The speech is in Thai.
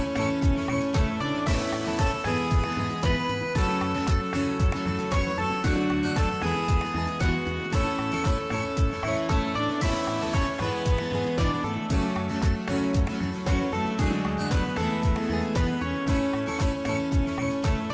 โปรดติดตามตอนต่อไป